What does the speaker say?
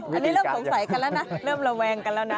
อันนี้เริ่มสงสัยกันแล้วนะเริ่มระแวงกันแล้วนะ